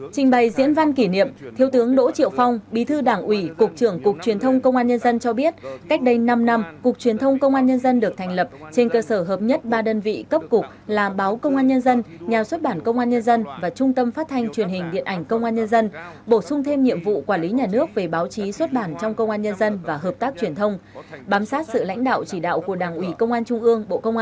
trình bày diễn văn kỷ niệm thiếu tướng đỗ triệu phong bí thư đảng ủy cục trưởng cục truyền thông công an nhân dân cho biết cách đây năm năm cục truyền thông công an nhân dân được thành lập trên cơ sở hợp nhất ba đơn vị cấp cục là báo công an nhân dân nhà xuất bản công an nhân dân và trung tâm phát thanh truyền hình điện ảnh công an nhân dân bổ sung thêm nhiệm vụ quản lý nhà nước về báo chí xuất bản trong công an nhân dân và hợp tác truyền thông bám sát sự lãnh đạo chỉ đạo của đảng ủy công an trung ương bộ công an